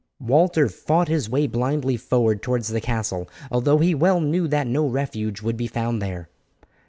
Walter fought his way blindly forward towards the castle although he well knew that no refuge would be found there.